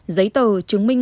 giấy tờ chứng minh